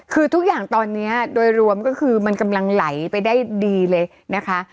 คือทุกอย่างตอนนี้โดยรวมก็คือมันกำลังไหลไปได้ดีเลยนะคะ